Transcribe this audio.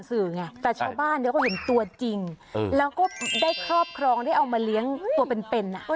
แต่ชาวบ้านก็เห็นตัวจริงแล้วก็ได้ครอบครองได้เอามาเลี้ยงตัวเป็นเป็นอะ